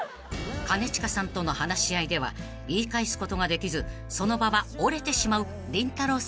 ［兼近さんとの話し合いでは言い返すことができずその場は折れてしまうりんたろー。